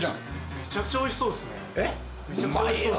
めちゃくちゃおいしそうですね。